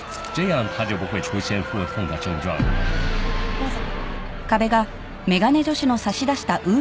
どうぞ